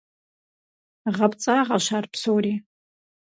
ГъэпцӀагъэщ ар псори.